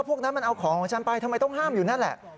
พวกนั้นมันเอาของของฉันไปทำไมต้องห้ามอยู่นั่นแหละ